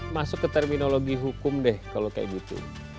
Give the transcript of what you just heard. masuk ke terminologi hukum deh kalau kayak gitu